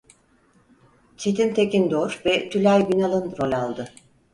Çetin Tekindor ve Tülay Günal'ın rol aldı.